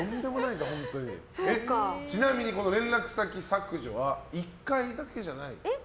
ちなみに連絡先削除は１回だけじゃないんですか。